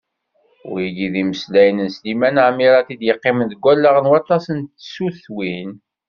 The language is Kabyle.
Wigi d imeslayen n Sliman Ɛmirat i yeqqimen deg wallaɣ n waṭas n tsutwin.